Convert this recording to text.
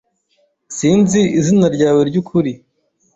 Sinzi izina ryawe ryukuri.